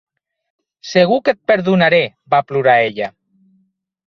Segur que et perdonaré, va plorar ella.